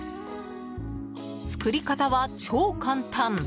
作り方は超簡単。